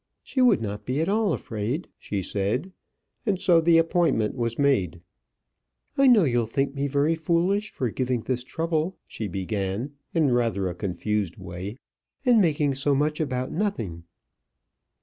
she would not be at all afraid," she said: and so the appointment was made. "I know you'll think me very foolish for giving this trouble," she began, in rather a confused way, "and making so much about nothing."